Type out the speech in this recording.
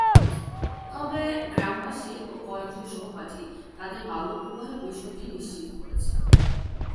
তবে গ্রামবাসী ও কয়েকজন সহপাঠী তাদের বাল্যবিবাহের বিষয়টি নিশ্চিত করেছে।